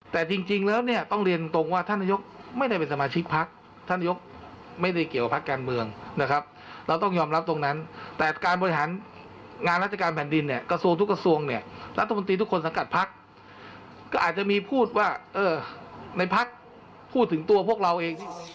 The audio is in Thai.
แต่จริงแล้วเนี่ยต้องเรียนตรงว่าท่านนายกไม่ได้เป็นสมาชิกพักท่านนายกไม่ได้เกี่ยวกับพักการเมืองนะครับเราต้องยอมรับตรงนั้นแต่การบริหารงานราชการแผ่นดินเนี่ยกระทรวงทุกกระทรวงเนี่ยรัฐมนตรีทุกคนสังกัดพักก็อาจจะมีพูดว่าเออในพักพูดถึงตัวพวกเราเอง